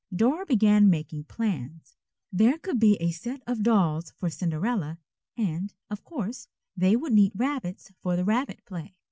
Dora began making plans. There could be a set of dolls for "Cinderella," and, of course, they would need rabbits for the rabbit play.